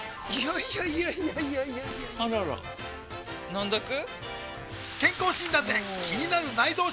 いやいやいやいやあらら飲んどく？